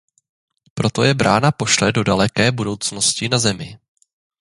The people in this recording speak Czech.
Proto je brána pošle do daleké budoucnosti na Zemi.